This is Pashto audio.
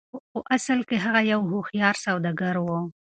خو په اصل کې هغه يو هوښيار سوداګر و.